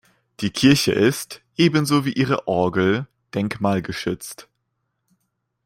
Die Kirche ist, ebenso wie ihre Orgel, denkmalgeschützt.